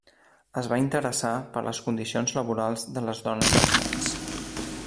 Es va interessar per les condicions laborals de les dones i els nens.